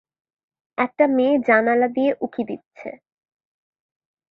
একটা মেয়ে জানালা দিয়ে উঁকি দিচ্ছে।